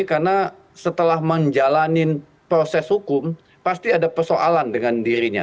karena setelah menjalani proses hukum pasti ada persoalan dengan dirinya